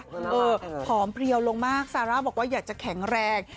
เออผอมเพลียวลงมากซาร่าบอกว่าอยากจะแข็งแรง